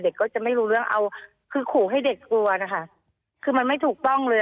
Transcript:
ก็จะไม่รู้เรื่องเอาคือขู่ให้เด็กกลัวนะคะคือมันไม่ถูกต้องเลย